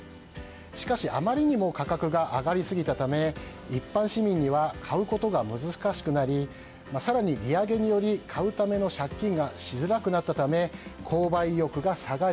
しかし、あまりにも価格が上がりすぎたため一般市民には買うことが難しくなり更に、利上げにより買うための借金がしづらくなったため購買意欲が下がり